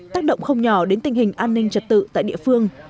tác động không nhỏ đến tình hình an ninh trật tự tại địa phương